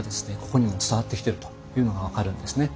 ここにも伝わってきてるというのが分かるんですね。